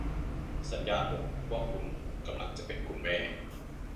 สัญญาณบ่งบอกว่าคุณกำลังจะเป็นคุณแม่